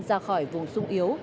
ra khỏi vùng sung yếu